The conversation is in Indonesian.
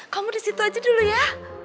kamu di situ aja dulu ya